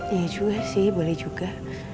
iya juga sih boleh juga